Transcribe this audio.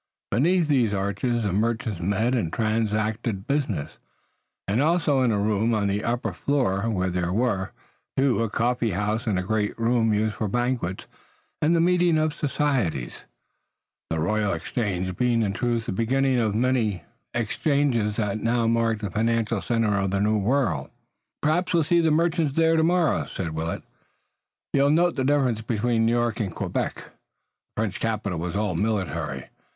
Beneath these arches the merchants met and transacted business, and also in a room on the upper floor, where there were, too, a coffee house and a great room used for banquets, and the meetings of societies, the Royal Exchange being in truth the beginning of many exchanges that now mark the financial center of the New World. "Perhaps we'll see the merchants there tomorrow," said Willet. "You'll note the difference between New York and Quebec. The French capital was all military.